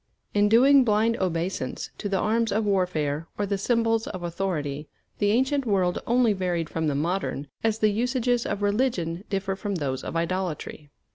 In doing blind obeisance to the arms of warfare or the symbols of authority, the ancient world only varied from the modern as the usages of religion differ from those of idolatry.